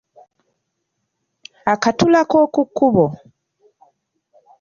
Akatula k’oku kkubo.